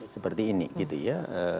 seperti ini gitu ya